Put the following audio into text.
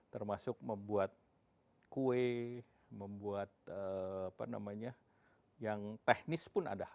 termasuk membuat kue membuat apa namanya yang teknis pun ada